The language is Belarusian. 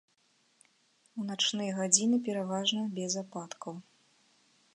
У начныя гадзіны пераважна без ападкаў.